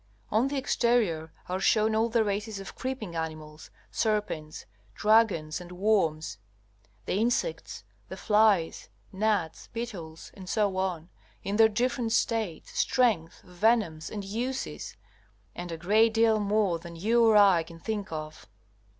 On the exterior are shown all the races of creeping animals, serpents, dragons, and worms; the insects, the flies, gnats, beetles, etc., in their different states, strength, venoms, and uses, and a great deal more than you or I can think of.